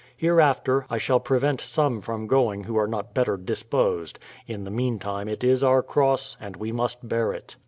Hereafter I shall prevent some from going who are not better dis posed ; in the meantime it is our cross, and we must bear it.